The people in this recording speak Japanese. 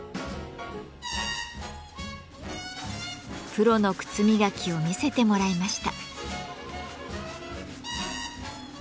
プロの靴磨きを見せてもらいました。